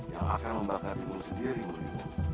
yang akan membakarimu sendiri muridmu